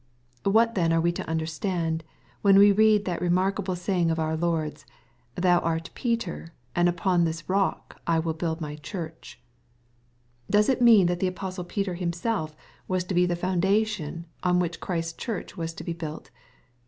What then are we to understand, when we read that remarkable saying of our Lord's, " Thou art Peter, and upon this rock I will build my Church ?" Does it mean that the apostle Peter himself was to be the foundation on MATTHEW, CHAP. XVI. 193 I irhich Christ's Church was to be bufl t ?